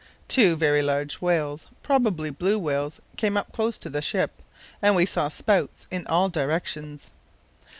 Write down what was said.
Two very large whales, probably blue whales, came up close to the ship, and we saw spouts in all directions.